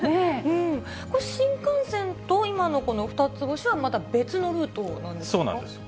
新幹線と今のふたつ星は、また別のルートなんですか？